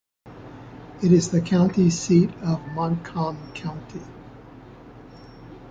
It is the county seat of Montcalm County.